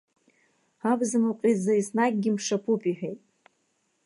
Абзамыҟә изы есқьынгьы мшаԥуп, иҳәеит.